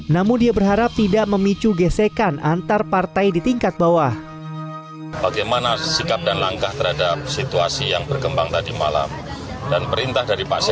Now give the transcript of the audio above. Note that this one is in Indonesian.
namun dia berharap tidak memicu gesekan antar partai di tingkat bawah